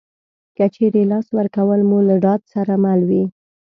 که چېرې لاس ورکول مو له ډاډ سره مل وي